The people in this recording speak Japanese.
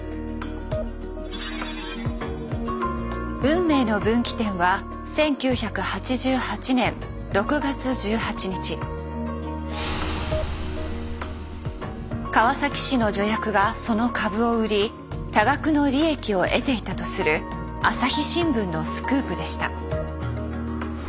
運命の分岐点は川崎市の助役がその株を売り多額の利益を得ていたとする朝日新聞のスクープでした。